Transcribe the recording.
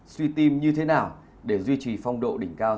suy tim như thế nào để duy trì phong độ đỉnh cao